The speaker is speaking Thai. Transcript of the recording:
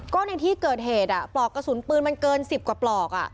ก็ในที่เกิดเหตุปลอกกระสุนปืนมันเกิน๑๐กว่าปลอก